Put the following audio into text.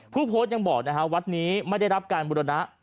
ผู้โพสต์ยังบอกนะฮะวัดนี้ไม่ได้รับการบุรณะ